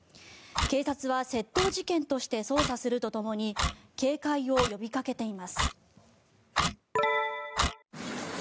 警察は窃盗事件として捜査するとともに警戒を呼びかけています。